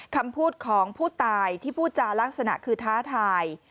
คำพูดของผู้ตายที่พูดจารักษณะคือท้าทาย